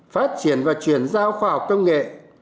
phát triển và chuyển giao khoa học công nghệ